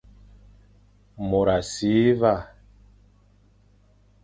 Môr a si va,